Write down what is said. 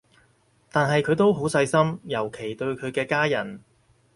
但係佢都好細心，尤其對佢嘅家人